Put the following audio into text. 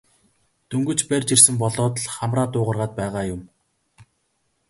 Дөнгөж барьж ирсэн болоод л хамраа дуугаргаад байгаа юм.